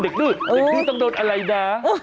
เด็กดื้อต้องโดนอะไรนะ